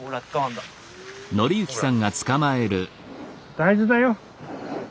大事だよ。